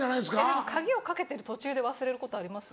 でも鍵をかけてる途中で忘れることあります？